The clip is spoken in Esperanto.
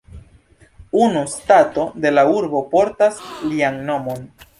Unu strato de la urbo portas lian nomon.